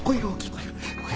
声。